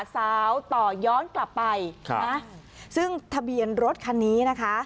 สาวต่อย้อนกลับไปซึ่งทะเบียนรถคันนี้นะคะ